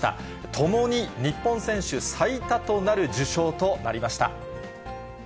ともに日本選手最多となる受賞となりました。